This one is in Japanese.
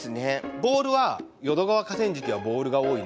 ボールは淀川河川敷はボールが多いなっていう。